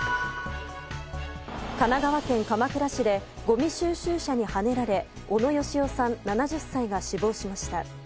神奈川県鎌倉市でごみ収集車にはねられ小野佳朗さん、７０歳が死亡しました。